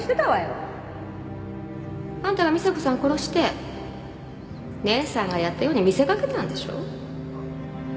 あんたが美砂子さん殺して姉さんがやったように見せ掛けたんでしょう？